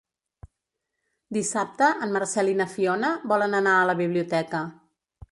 Dissabte en Marcel i na Fiona volen anar a la biblioteca.